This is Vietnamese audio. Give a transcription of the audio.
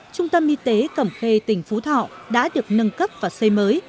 trung tâm y tế cẩm khê tỉnh phú thọ đã được nâng cấp và xây mới